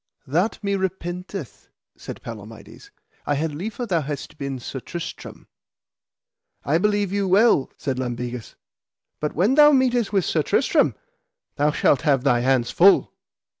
That me repenteth, said Palamides. I had liefer thou hadst been Sir Tristram. I believe you well, said Lambegus, but when thou meetest with Sir Tristram thou shalt have thy hands full.